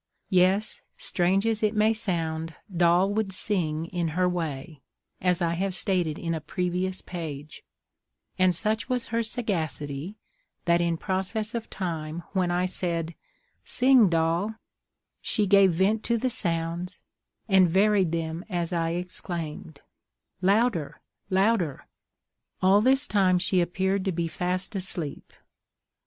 Yes strange as it may sound, Doll would sing in her way, as I have stated in a previous page; and such was her sagacity, that in process of time when I said, "Sing, Doll," she gave vent to the sounds, and varied them as I exclaimed, "Louder, louder." All this time she appeared to be fast asleep.